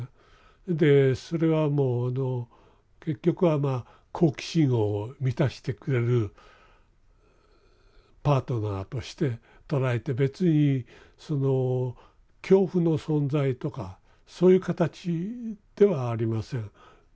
でそれはもうあの結局は好奇心を満たしてくれるパートナーとして捉えて別にその恐怖の存在とかそういう形ではありません。